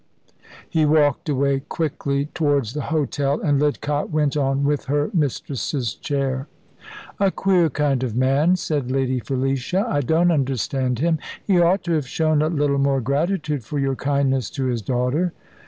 He walked away quickly towards the hotel, and Lidcott went on with her mistress's chair. "A queer kind of man," said Lady Felicia. "I don't understand him. He ought to have shown a little more gratitude for your kindness to his daughter."